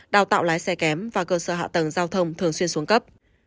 đào tạo lái xe kém và cơ sở hạ tầng giao thông thường xuyên xuống cấp